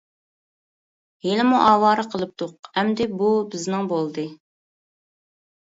-ھېلىمۇ ئاۋارە قىلىپتۇق، ئەمدى بۇ بىزنىڭ بولدى.